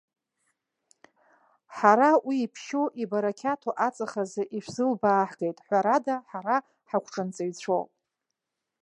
Ҳара уи, иԥшьоу, ибарақьаҭу аҵых азы ишәзылбаҳгеит. Ҳәарада, ҳара ҳагәҽанҵаҩцәоуп.